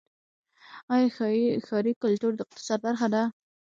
آیا ښاري کلتور د اقتصاد برخه ده؟